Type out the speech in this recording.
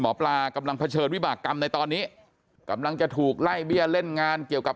หมอปลากำลังเผชิญวิบากรรมในตอนนี้กำลังจะถูกไล่เบี้ยเล่นงานเกี่ยวกับ